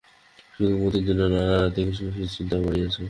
শুধু মতির জন্য নয়, নানা দিকে শশীর চিত্তা বাড়িয়াছে।